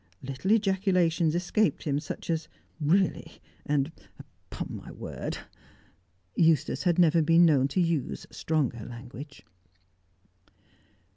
Little ejaculations escaped him, such as "Really!" and "Upon my word!" Eustace had never been known to use stronger language.